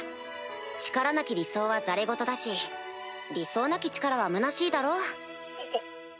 力なき理想は戯言だし理想なき力はむなしいだろ？